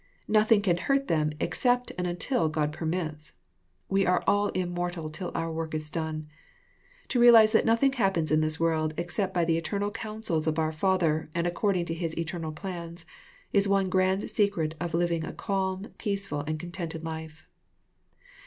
Nothing can hurt them except and until God permits. We are all immortal till our work t3 done. To realize that noth ing happens in this world^xcept by the etern al cou nsels of our Father, and according to His eternal plans, is one grand secret of living a calm, peaceful, and contented life.